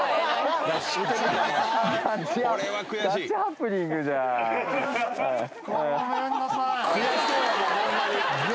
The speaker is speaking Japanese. ガチハプニングじゃん。